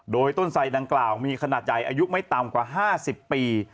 โดยต้นไสดังกล่าวมีขนาดใหญ่อายุไม่ต่ำกว่า๕๐ปี